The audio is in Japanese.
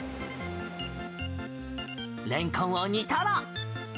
レンコンを煮たら。